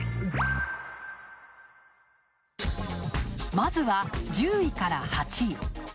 まずは、１０位から８位。